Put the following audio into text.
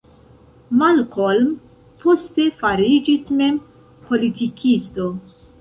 Malcolm poste fariĝis mem politikisto.